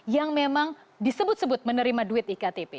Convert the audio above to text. yang memang disebut sebut menerima duit iktp